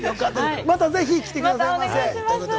またぜひ来てください。